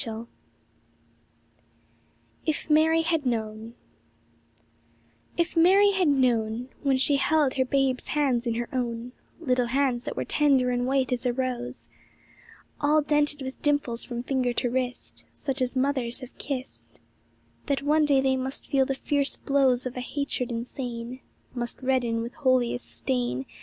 112 IF MARY HAD KNOWN If Mary had known When she held her Babe's hands in her own — Little hands that were tender and white as a rose, All dented with dimples from finger to wrist, Such as mothers have kissed —' That one day they must feel the fierce blows Of a hatred insane, Must redden with holiest stain.